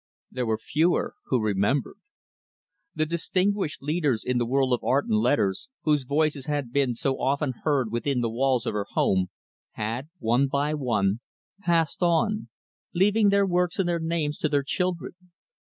There were fewer who remembered. The distinguished leaders in the world of art and letters, whose voices had been so often heard within the walls of her home, had, one by one, passed on; leaving their works and their names to their children.